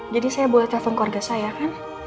jadi saya boleh telepon keluarga saya kan